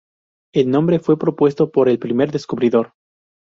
El nombre fue propuesto por el primer descubridor.